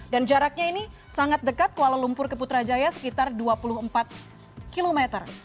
dan jaraknya ini sangat dekat kuala lumpur ke putrajaya sekitar dua puluh empat km